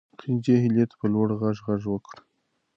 خدیجې هیلې ته په لوړ غږ غږ وکړ.